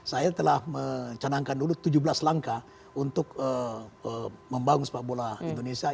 saya telah mencanangkan dulu tujuh belas langkah untuk membangun sepak bola indonesia